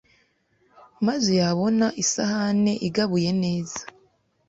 maze yabona isahani igabuye neza